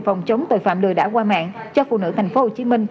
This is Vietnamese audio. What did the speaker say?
phòng chống tội phạm lừa đảo qua mạng cho phụ nữ tp hcm